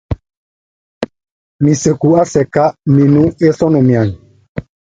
Miseku a sɛka minuk ɔ sóŋo miaŋos.